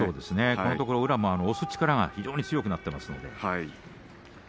このところ宇良の押す力が非常に強くなっています。